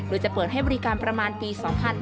โดยจะเปิดให้บริการประมาณปี๒๕๕๙